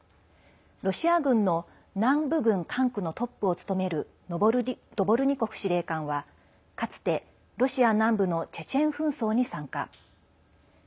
ロシア軍の南部軍管区のトップを務めるドボルニコフ司令官はかつて、ロシア南部のチェチェン紛争に参加。